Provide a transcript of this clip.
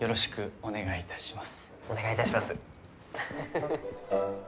お願いいたします！